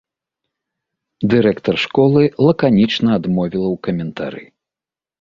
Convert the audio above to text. Дырэктар школы лаканічна адмовіла ў каментары.